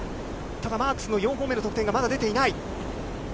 ただマークスの４本目の得点がまだ出ていない。